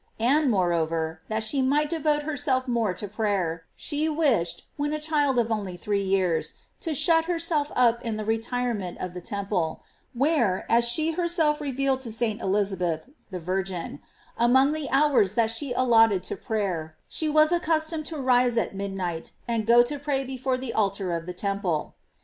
And, moreover, that she might devote herself more to prayer, she wished, when a child of only three years, to shut herself up in the re tirement of the temple; where, as she herself re vealed to St. Elizabeth (virgin), among the other hours that she allotted to prayer, she was accustomed to rise at midnight and go to pray before the altar of the temple.